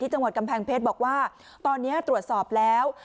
จังหวัดกำแพงเพชรบอกว่าตอนนี้ตรวจสอบแล้ว